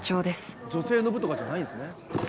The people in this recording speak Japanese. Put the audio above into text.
女性の部とかじゃないんですね。